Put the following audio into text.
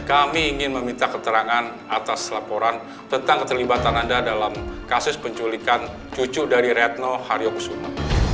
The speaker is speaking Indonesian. kami ingin meminta keterangan atas laporan tentang keterlibatan anda dalam kasus penculikan cucu dari retno haryokusuma